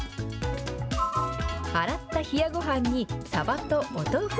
洗った冷やごはんに、さばとお豆腐。